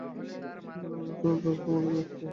এখন আমার একটি অনুরোধ তোমাকে রাখতেই হবে।